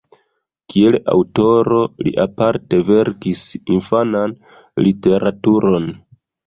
Kiel aŭtoro li aparte verkis infanan literaturon.